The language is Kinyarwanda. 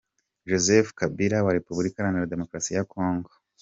-Joseph Kabila wa Repubulika iharanira Demokarasi ya Congo